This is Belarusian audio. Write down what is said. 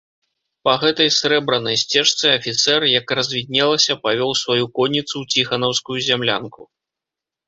Па гэтай срэбранай сцежцы афіцэр, як развіднелася, павёў сваю конніцу ў ціханаўскую зямлянку.